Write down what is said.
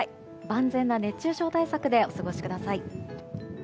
万全な熱中症対策でお過ごしください。